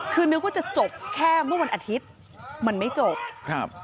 คือนึกว่าจะจบแค่เมื่อวันอาทิตย์มันไม่จบครับ